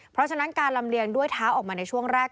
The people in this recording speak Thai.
เพราะฉะนั้นการลำเลียงด้วยเท้าออกมาในช่วงแรก